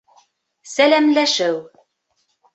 Сәләмләшеү